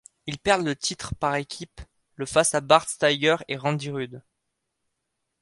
Ils perdent le titre par équipes le face à Bart Steiger et Randy Rudd.